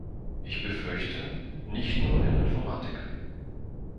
Ich befürchte, nicht nur in Informatik.